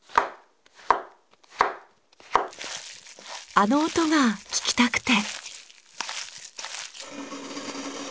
あの音が聞きたくて。